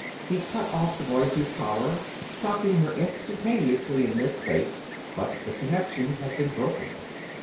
He cut off the Boise's power, stopping her instantaneously in mid space, but the connection had been broken.